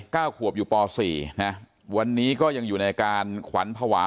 เก้าขวบอยู่ปสี่นะวันนี้ก็ยังอยู่ในการขวัญภาวะ